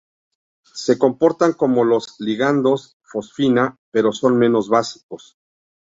Se comportan como los ligandos fosfina, pero son menos básicos.